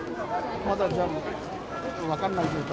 まだ、じゃあ分かんない状態？